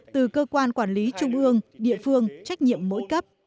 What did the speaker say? từ cơ quan quản lý trung ương địa phương trách nhiệm mỗi cấp